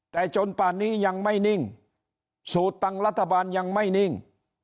แต่จนป่านนี้ยังไม่นิ่งสูตรตังรัฐบาลยังไม่นิ่ง